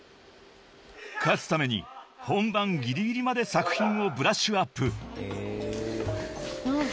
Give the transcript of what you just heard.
［勝つために本番ギリギリまで作品をブラッシュアップ］